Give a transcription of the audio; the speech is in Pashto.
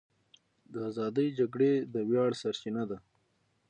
د ازادۍ جګړې د ویاړ سرچینه ده.